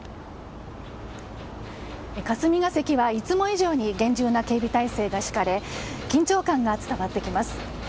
霞が関はいつも以上に厳重な警備態勢が敷かれ緊張感が伝わってきます。